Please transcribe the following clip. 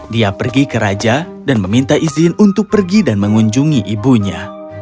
dia pergi ke raja dan meminta izin untuk pergi dan mengunjungi ibunya